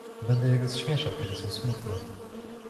Będę je rozśmieszał, kiedy są smutne.